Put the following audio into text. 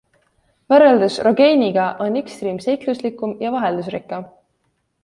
Võrreldes rogainiga on Xdream seikluslikum ja vaheldusrikkam.